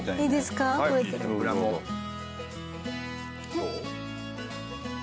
どう？